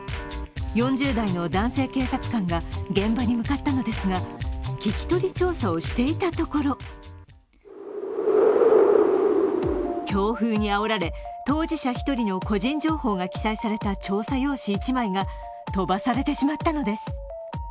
４０代の男性警察官が現場に向かったのですが聞き取り調査をしていたところ強風にあおられ、当事者１人の個人情報が記載された調査用紙１枚が飛ばされてしまったのです。